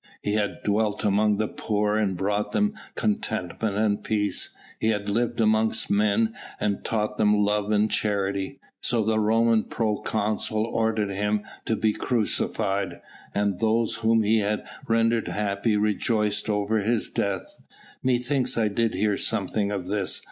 "He had dwelt among the poor and brought them contentment and peace; He had lived amongst men and taught them love and charity. So the Roman proconsul ordered Him to be crucified, and those whom He had rendered happy rejoiced over His death." "Methinks that I did hear something of this.